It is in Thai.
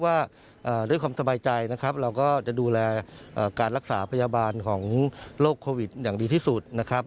ว่าด้วยความสบายใจนะครับเราก็จะดูแลการรักษาพยาบาลของโรคโควิดอย่างดีที่สุดนะครับ